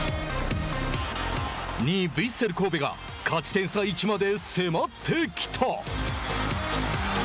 ２位ヴェッセル神戸が勝ち点差１まで迫ってきた。